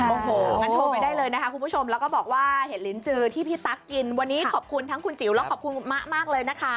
โอ้โหงั้นโทรไปได้เลยนะคะคุณผู้ชมแล้วก็บอกว่าเห็นลิ้นจือที่พี่ตั๊กกินวันนี้ขอบคุณทั้งคุณจิ๋วแล้วขอบคุณมะมากเลยนะคะ